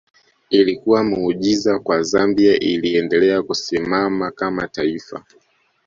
Ilikuwa muujiza kwa Zambia iliendelea kusimama kama taifa